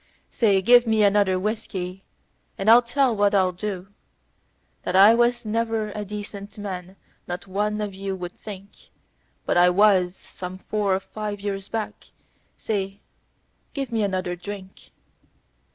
Say! Give me another whiskey, and I'll tell what I'll do That I was ever a decent man not one of you would think; But I was, some four or five years back. Say, give me another drink.